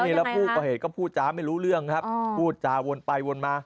แล้วยังไงครับอ๋อพูดจ้าไม่รู้เรื่องครับพูดจ้าวนไปวนมา